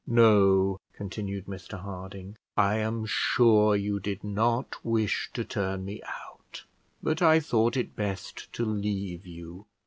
"No," continued Mr Harding; "I am sure you did not wish to turn me out; but I thought it best to leave you.